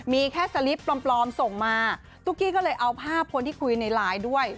มีแค่สลิปปลอมส่งมาตุ๊กกี้ก็เลยเอาภาพคนที่คุยในไลน์ด้วย